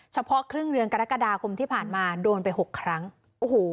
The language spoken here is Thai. เฉพาะครึ่งเดือนกรกฎาคมที่ผ่านมาโดนไปหกครั้งโอ้โห